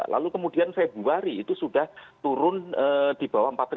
lalu kemudian februari itu sudah turun di bawah empat ratus